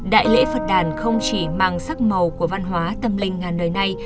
đại lễ phật đàn không chỉ mang sắc màu của văn hóa tâm linh ngàn đời nay